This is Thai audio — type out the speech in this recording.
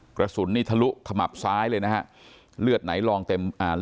กระสุนทรุขมับซ้ายเลยนะครับ